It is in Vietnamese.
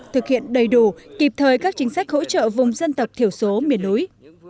thực hiện đầy đủ kịp thời các chính sách hỗ trợ vùng dân tộc thiểu số miền núi